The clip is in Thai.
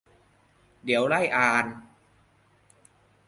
เดี๋ยวอ่านไล่